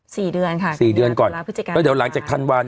สี่เดือนค่ะสี่เดือนก่อนแล้วหลังจากพันวา